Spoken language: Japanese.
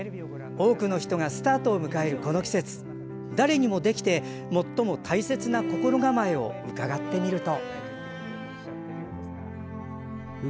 多くの人がスタートを迎えるこの季節誰にもできて、最も大切な心構えを伺ってみると。